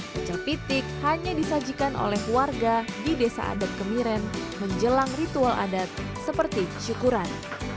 pecel pitik hanya disajikan oleh warga di desa adat kemiren menjelang ritual adat seperti syukuran